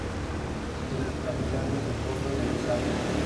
Su capital es el pueblo de Santa.